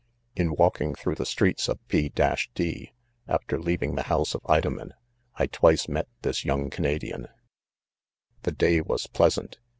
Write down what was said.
...... ^^In walkmg thTpugMhe streets, of P *— d, after leading: the: house of Idoimen, I twice met this young Canadian, The day was pleasant.